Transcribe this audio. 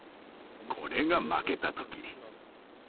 これが負けた時。